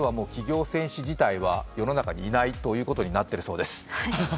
企業戦士自体は世の中にいないということになっているそうです。